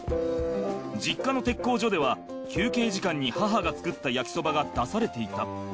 実家の鉄工所では休憩時間に母が作った焼きそばが出されていた。